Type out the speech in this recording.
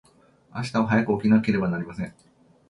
明日は早く起きなければなりません。